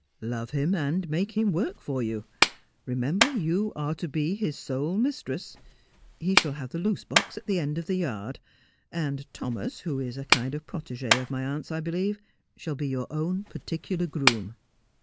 ' Love him and make him work for you. Remember you are to be his sole mistress. He shall have the loose box at the end of the yard, and Thomas, who is a kind of protegi of my aunt's, I believe, shall be your own particular groom.'